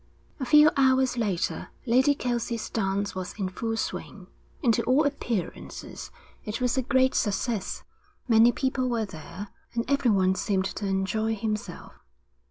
XV A few hours later Lady Kelsey's dance was in full swing, and to all appearances it was a great success. Many people were there, and everyone seemed to enjoy himself.